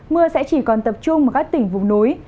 mưa sẽ chỉ còn tập trung ở các tỉnh vùng núi